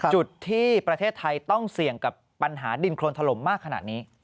จุดที่ประเทศไทยต้องเสี่ยงกับปัญหาดินโครนถล่มมากขนาดนี้